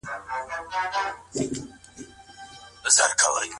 له ژبي څخه په ناسمه توګه استفاده کول جهنم ته لار ده.